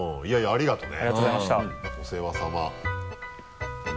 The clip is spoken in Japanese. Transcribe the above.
ありがとうね。